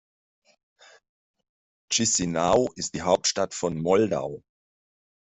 Chișinău ist die Hauptstadt von Moldau.